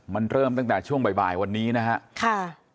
มันเริ่มตั้งแต่ช่วงบ่ายวันนี้นะครับ